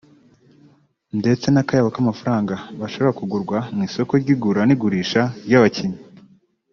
ndetse n’akayabo k’amafaranga bashobora kugurwa mu isoko ry’igura n’igurishwa ry’abakinnyi